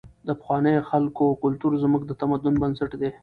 د پخوانیو خلکو کلتور زموږ د تمدن بنسټ دی.